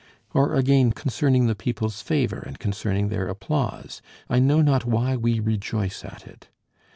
Or again, concerning the people's favor, and concerning their applause, I know not why we rejoice at it.